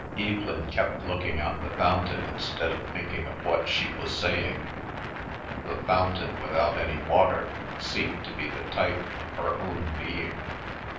Evelyn kept looking at the fountain instead of thinking of what she was saying; the fountain without any water seemed to be the type of her own being.